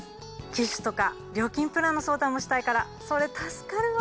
機種とか料金プランの相談もしたいからそれ助かるわ。